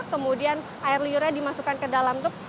kemudian air liurnya dimasukkan ke dalam tuk